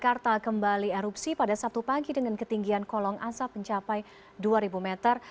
pemeriksaan suhu badan di jakarta kembali erupsi pada sabtu pagi dengan ketinggian kolong asap mencapai dua ribu meter